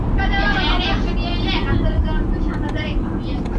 একটা ধন্যবাদ তো পাই?